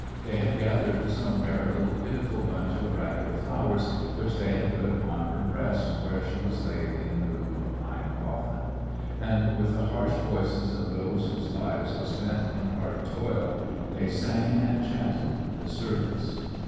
They had gathered somewhere a little pitiful bunch of ragged flowers which they had put upon her breast, where she was laid in the rude pine coffin ; and with the harsh voices of those whose lives are spent in hard toil they sang and chanted the service.